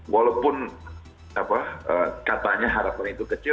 walaupun katanya harapan itu kecil